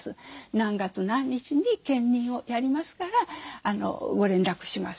何月何日に検認をやりますからご連絡しますって。